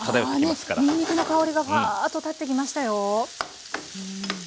にんにくの香りがふぁっとたってきましたよ。